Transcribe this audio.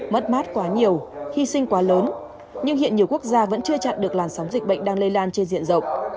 mất mát quá nhiều hy sinh quá lớn nhưng hiện nhiều quốc gia vẫn chưa chặn được làn sóng dịch bệnh đang lây lan trên diện rộng